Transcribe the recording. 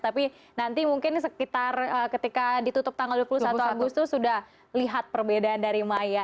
tapi nanti mungkin sekitar ketika ditutup tanggal dua puluh satu agustus sudah lihat perbedaan dari maya